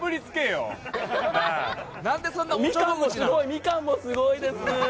ミカンもすごいです！